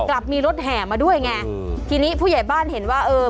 กลับมีรถแห่มาด้วยไงอืมทีนี้ผู้ใหญ่บ้านเห็นว่าเออ